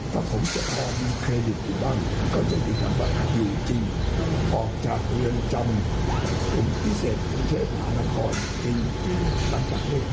แค่อะไรสัญลักษณ์แล้วก็ภาษาอังกฤษก็ดีเพรสสะดดผลในใจ